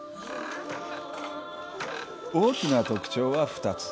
大きな特徴は２つ。